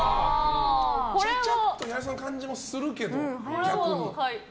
ちゃちゃっとやりそうな感じもするけど。